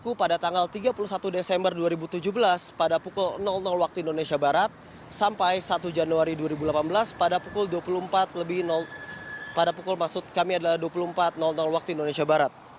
berlaku pada tanggal tiga puluh satu desember dua ribu tujuh belas pada pukul wib sampai satu januari dua ribu delapan belas pada pukul dua puluh empat wib